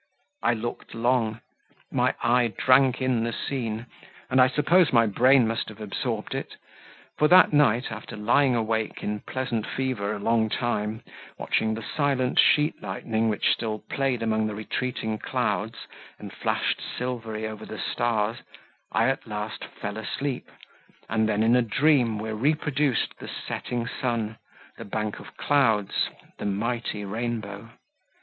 I looked long; my eye drank in the scene, and I suppose my brain must have absorbed it; for that night, after lying awake in pleasant fever a long time, watching the silent sheet lightning, which still played among the retreating clouds, and flashed silvery over the stars, I at last fell asleep; and then in a dream were reproduced the setting sun, the bank of clouds, the mighty rainbow.